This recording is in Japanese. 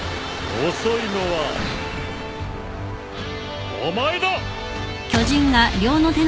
遅いのはお前だ！